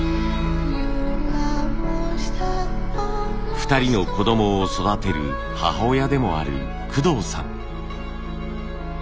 ２人の子供を育てる母親でもある工藤さん。